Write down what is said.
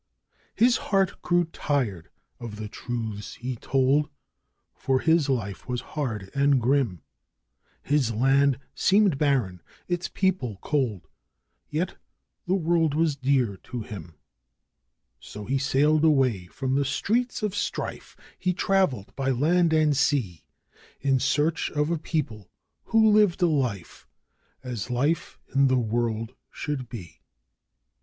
His heart grew tired of the truths he told, for his life was hard and grim; His land seemed barren, its people cold yet the world was dear to him; So he sailed away from the Streets of Strife, he travelled by land and sea, In search of a people who lived a life as life in the world should be.